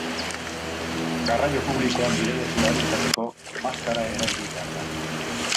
Garraio publikoan bidaiatu ahal izateko, maskara erabili behar da.